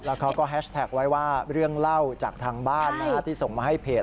เขาก็แฮชแท็กไว้ว่าเรื่องเล่าจากทางบ้านที่ส่งมาให้เพจ